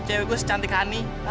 cewek gue secantik hani